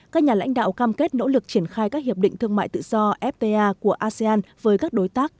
các nhà lãnh đạo cam kết nỗ lực triển khai các hiệp định thương mại tự do fta của asean với các đối tác